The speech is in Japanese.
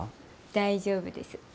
大丈夫です。